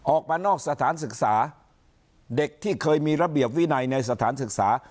ออกมานอกสถานศึกษาเด็กที่เคยมีระเบียบวินัยในสถานศึกษา